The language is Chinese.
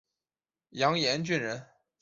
杨延俊人。